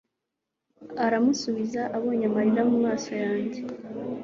aramusubiza abonye amarira mumaso yanjye